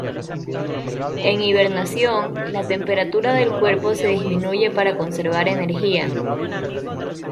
En hibernación, la temperatura del cuerpo se disminuye para conservar energía.